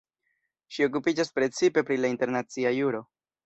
Ŝi okupiĝas precipe pri la internacia juro.